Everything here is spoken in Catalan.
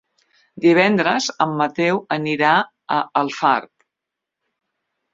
Divendres en Mateu anirà a Alfarb.